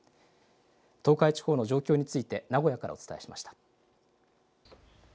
東海地方の状況について名古屋からお伝えしました。